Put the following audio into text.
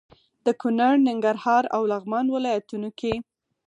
د کونړ، ننګرهار او لغمان ولايتونو کې